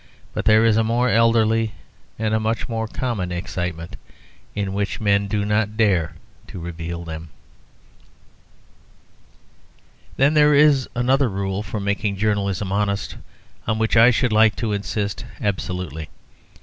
But there is a more elderly and a much more common excitement in which men do not dare to reveal them. Then there is another rule for making journalism honest on which I should like to insist absolutely.